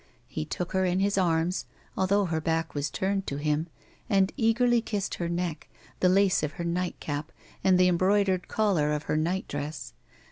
He took her in his arms, although her back was turned to him, and eagerly kissed her neck, the lace of her night cap, and the embroidered collar of her night dress.